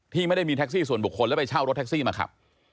ไม่ได้มีแท็กซี่ส่วนบุคคลแล้วไปเช่ารถแท็กซี่มาขับ